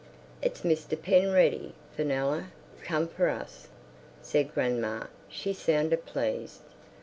"It's Mr. Penreddy, Fenella, come for us," said grandma. She sounded pleased.